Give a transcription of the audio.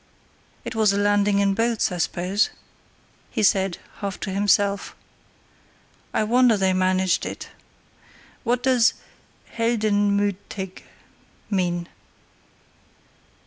"It was a landing in boats, I suppose," he said, half to himself. "I wonder they managed it. What does heldenmüthig mean?"